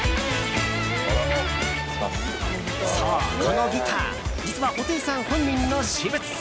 そう、このギター実は布袋さん本人の私物。